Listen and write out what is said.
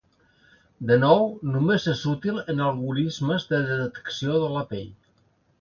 De nou, només és útil en algorismes de detecció de la pell.